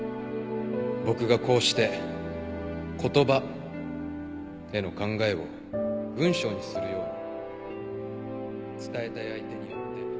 僕がこうして「言葉」への考えを文章にするように伝えたい相手によって。